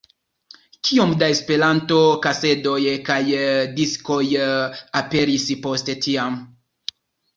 Kiom da Esperanto-kasedoj kaj diskoj aperis post tiam!